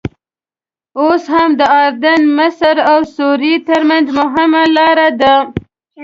اوس هم د اردن، مصر او سوریې ترمنځ مهمه لاره ده.